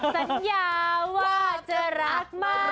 สัญญาว่าจะรักมาก